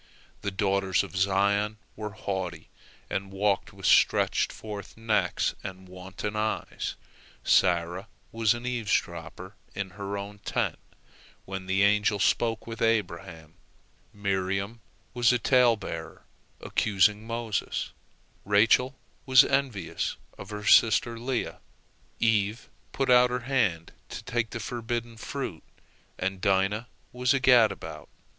The daughters of Zion were haughty and walked with stretched forth necks and wanton eyes; Sarah was an eavesdropper in her own tent, when the angel spoke with Abraham; Miriam was a talebearer, accusing Moses; Rachel was envious of her sister Leah; Eve put out her hand to take the forbidden fruit, and Dinah was a gadabout.